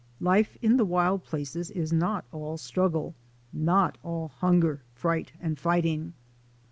Life in the wild places is not all struggle — not all hunger, fright, and fighting.